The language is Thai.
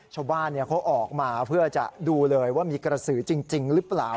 ชาวบ้านเขาออกมาเพื่อจะดูเลยว่ามีกระสือจริงหรือเปล่า